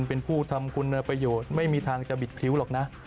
เป็นผู้ทำคุณประโยชน์ไม่มีทางจะบิดพริ้วหรอกนะ